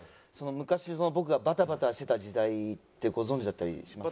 昔僕がバタバタしてた時代ってご存じだったりしますか？